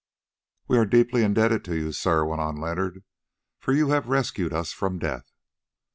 "We are deeply indebted to you, sir," went on Leonard; "for you have rescued us from death."